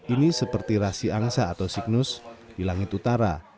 ini seperti rasi angsa atau signus di langit utara